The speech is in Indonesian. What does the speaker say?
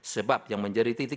sebab yang menjadi titik